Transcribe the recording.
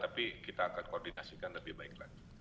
tapi kita akan koordinasikan lebih baik lagi